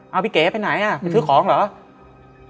เอาพี่เก๋ไปไหนอ่ะไปซื้อของเหรอ